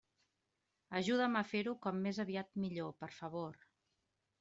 Ajuda'm a fer-ho com més aviat millor, per favor.